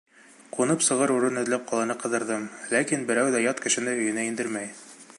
Ҡунып сығыр урын эҙләп ҡаланы ҡыҙырҙым, ләкин берәү ҙә ят кешене өйөнә индермәй.